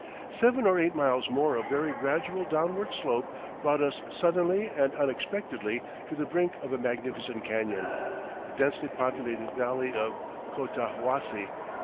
Seven or eight miles more of very gradual downward slope brought us suddenly and unexpectedly to the brink of a magnificent canyon, the densely populated valley of Cotahuasi.